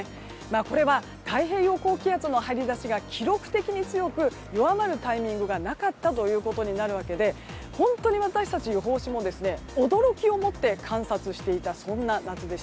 これは太平洋高気圧の張り出しが記録的に強く弱まるタイミングがなかったということになるわけで本当に私たち予報士も驚きを持って観察していました。